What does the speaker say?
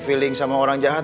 feeling sama orang jahat